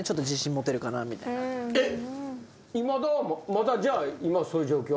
まだじゃあ今そういう状況？